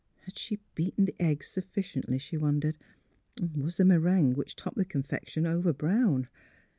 Had she beaten the eggs sufficiently, she wondered; and was the meringue which topped the confection overbrown?